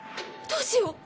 どうしよう？